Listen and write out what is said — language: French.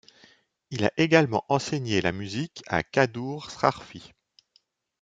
Il a également enseigné la musique à Kaddour Srarfi.